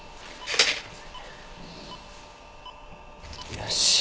よし。